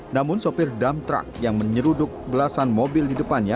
namun sopir dump truck yang menyeruduk belasan mobil di depannya